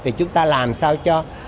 thì chúng ta làm sao cho